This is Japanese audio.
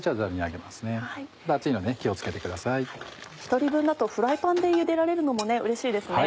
１人分だとフライパンでゆでられるのもうれしいですね。